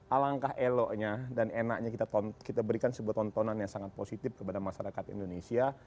alangkah eloknya dan enaknya kita berikan sebuah tontonan yang sangat positif kepada masyarakat indonesia